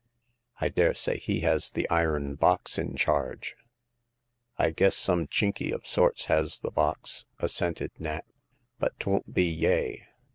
I dare say he has the iron box in charge." "I guess some Chinky of sorts has the box," assented Nat, " but 'twon't be Yeh.